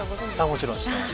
もちろん知っています。